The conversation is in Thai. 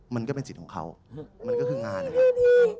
มันก็เป็นสิทธิ์ของเขามันก็คืองานนะครับ